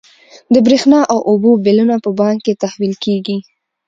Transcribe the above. د برښنا او اوبو بلونه په بانک کې تحویل کیږي.